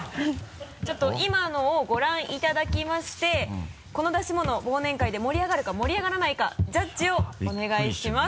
ちょっと今のをご覧いただきましてこの出し物忘年会で盛り上がるか盛り上がらないかジャッジをお願いします。